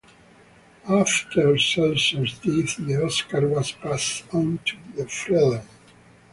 After Selzer's death, the Oscar was passed on to Freleng.